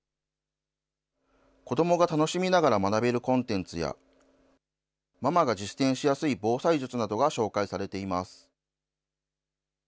子どもが楽しみながら学べるコンテンツや、ママが実践しやすい防災術などが紹介されています。